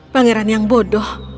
pangeran yang bodoh